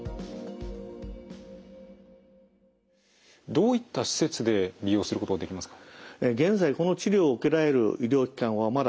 どういった施設で利用することができますか？